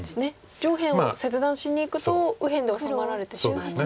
上辺を切断しにいくと右辺で治まられてしまいますか。